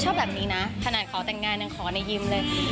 ชอบแบบนี้นะขนาดขอแต่งงานยังขอในยิ้มเลย